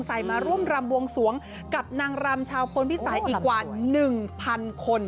มาร่วมรำบวงสวงกับนางรำชาวพลพิสัยอีกกว่า๑๐๐คน